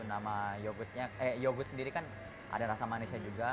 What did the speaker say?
nama yogurt sendiri kan ada rasa manisnya juga